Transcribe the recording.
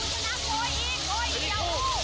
เรียบร้อยเลย